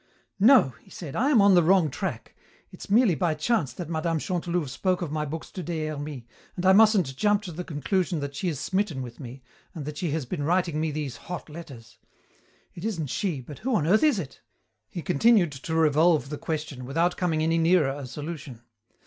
"No," he said, "I am on the wrong track. It's merely by chance that Mme. Chantelouve spoke of my books to Des Hermies, and I mustn't jump to the conclusion that she is smitten with me and that she has been writing me these hot letters. It isn't she, but who on earth is it?" He continued to revolve the question, without coming any nearer a solution.